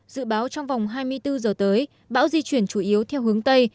dự báo trong vòng hai mươi bốn giờ tới bão di chuyển chủ yếu theo hướng tây